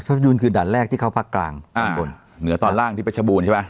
เพชรบูรณ์คือดันแรกที่เข้าภาคกลางอ่าเหนือตอนล่างที่เพชรบูรณ์ใช่ไหม